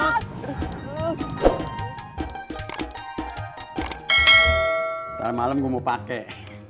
selamat malam gua mau pakai